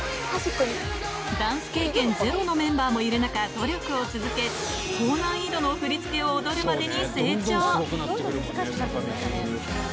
ダンス経験ゼロのメンバーもいる中、努力を続け、高難易度の振り付けを踊るまでに成長。